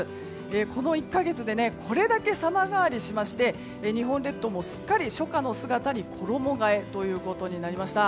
この１か月でこれだけ様変わりしまして日本列島もすっかり初夏の姿に衣替えとなりました。